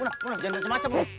munah munah munah jangan macam macam